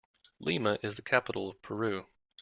Lima is the capital of Peru.